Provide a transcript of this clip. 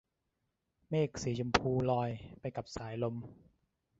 เมฆสีชมพูลอยไปกับสายลม